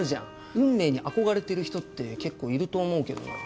運命に憧れている人って結構いると思うけどなぁ。